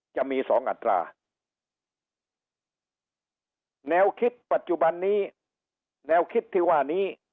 จะมีสองอัตราแนวคิดปัจจุบันนี้แนวคิดที่ว่านี้